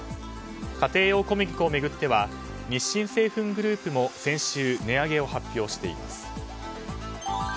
家庭用小麦粉を巡っては日清製粉グループも先週、値上げを発表しています。